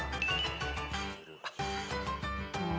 うん。